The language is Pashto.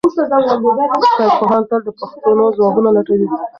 ساینس پوهان تل د پوښتنو ځوابونه لټوي.